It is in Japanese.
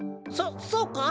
そそうか？